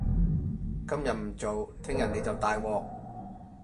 今日唔做，聽日你就大鑊